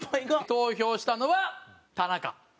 投票したのは田中。